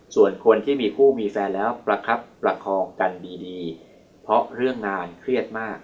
ส่วนคนที่มีคู่มีแฟนแล้วประคับประคองกันดีเพราะเรื่องงานเครียดมาก